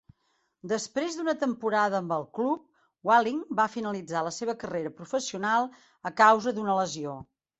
Després d'una temporada amb el club, Wallin va finalitzar la seva carrera professional a causa d'una lesió.